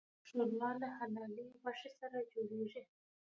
ښوروا له حلالې غوښې سره جوړیږي.